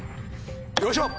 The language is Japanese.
よいしょ！